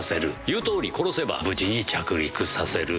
言うとおり殺せば無事に着陸させる。